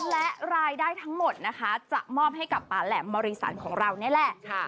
และรายได้ทั้งหมดนะคะจะมอบให้กับป่าแหลมมริสันของเรานี่แหละ